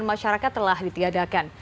masyarakat telah ditiadakan